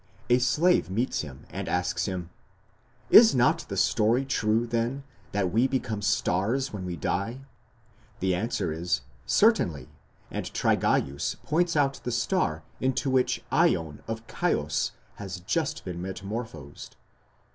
A slave meets him, and asks him: 'Is not the story true, then, that we become stars when we die?' The answer is, 'Certainly'; and Trygaeus points out the star into which Ion of Chios has just been metamorphosed."